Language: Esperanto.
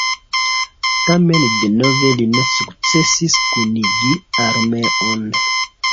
Tamen denove li ne sukcesis kunigi armeon.